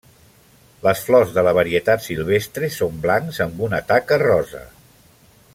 Les flors de la varietat silvestre són blancs amb una taca rosa.